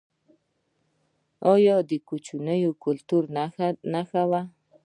دا د کوچي کلتور نښه وه